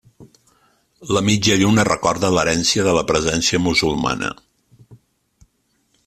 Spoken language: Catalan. La mitja lluna recorda l'herència de la presència musulmana.